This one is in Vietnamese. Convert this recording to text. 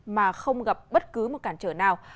mà không gặp bất cứ một cản trở nào